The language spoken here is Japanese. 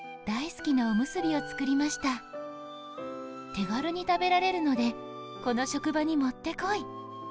「手軽に食べられるので、この職場にもってこい！